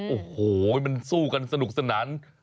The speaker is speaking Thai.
โอ้โหมันสู้กันสนุกสนาน